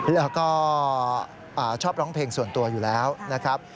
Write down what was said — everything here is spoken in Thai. แล้วก็ชอบร้องเพลงส่วนตัวอยู่แล้วนะครับ